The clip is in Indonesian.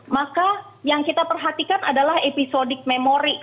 maka yang kita perhatikan adalah episodik memori